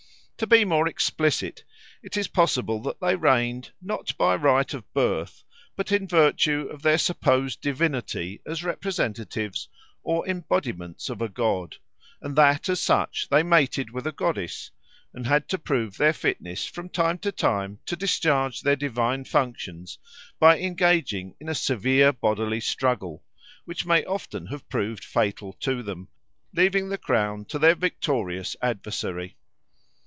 To be more explicit, it is possible that they reigned, not by right of birth, but in virtue of their supposed divinity as representatives or embodiments of a god, and that as such they mated with a goddess, and had to prove their fitness from time to time to discharge their divine functions by engaging in a severe bodily struggle, which may often have proved fatal to them, leaving the crown to their victorious adversary.